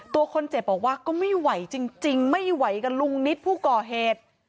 ตัวคนเจ็บบอกว่าก็ไม่ไหวจริงไม่ไหวกับลุงนิดผู้ก่อเหตุ